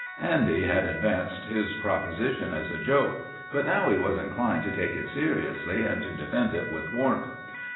Andy had advanced his proposition as a joke, but now he was inclined to take it seriously and to defend it with warmth.